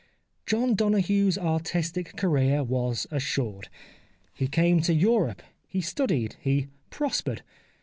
John Donoghue's artistic career was assured. He came to Europe, he studied, he prospered.